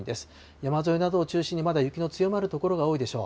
山沿いなどを中心に、まだ雪の強まる所が多いでしょう。